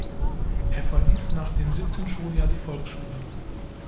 Er verließ nach dem siebten Schuljahr die Volksschule.